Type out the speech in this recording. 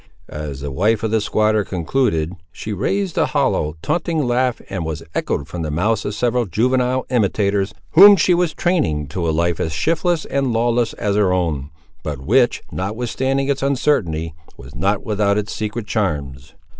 As the wife of the squatter concluded, she raised a hollow, taunting laugh, that was echoed from the mouths of several juvenile imitators, whom she was training to a life as shiftless and lawless as her own; but which, notwithstanding its uncertainty, was not without its secret charms.